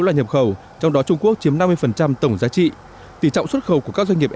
là nhập khẩu trong đó trung quốc chiếm năm mươi tổng giá trị tỷ trọng xuất khẩu của các doanh nghiệp